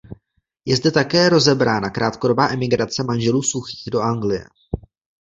Je zde také rozebrána krátkodobá emigrace manželů Suchých do Anglie.